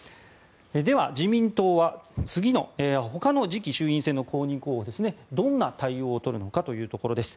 では、自民党は次の他の次期衆院選の公認候補どんな対応をとるのかというところです。